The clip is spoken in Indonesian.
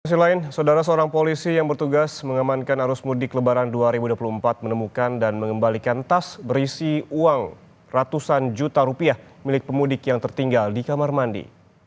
di sisi lain saudara seorang polisi yang bertugas mengamankan arus mudik lebaran dua ribu dua puluh empat menemukan dan mengembalikan tas berisi uang ratusan juta rupiah milik pemudik yang tertinggal di kamar mandi